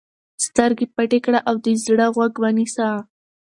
سترګې پټې کړه او د زړه غوږ ونیسه.